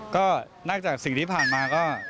ก็นอกจากสิ่งที่ผ่านมาก็